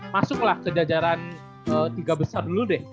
masuklah ke jajaran tiga besar dulu deh